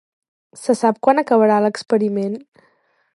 Se sap quan acabarà l'experiment?